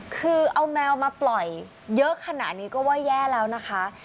คือเอาแมวมาปล่อยเยอะขนาดนี้ก็ว่าแย่แล้วนะคะ